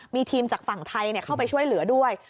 มีทีมจากฝั่งไทยเข้าไปช่วยเหลือด้วย